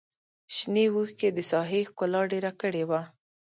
شنې وښکې د ساحې ښکلا ډېره کړې وه.